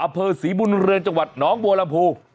อำเภอศรีบุญเรืองจังหวัดน้องบัวลำพู